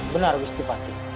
benar gusti patih